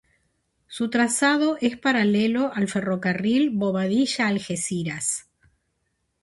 Su trazado es paralelo al ferrocarril Bobadilla-Algeciras.